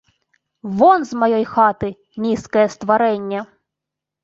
Вон з маёй хаты, нізкае стварэнне!